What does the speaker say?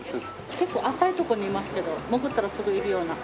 結構浅いとこにいますけど潜ったらすぐいるような。